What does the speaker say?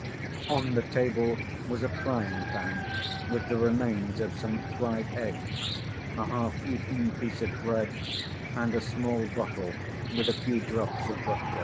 On the table was a frying‐pan with the remains of some fried eggs, a half‐eaten piece of bread, and a small bottle with a few drops of vodka.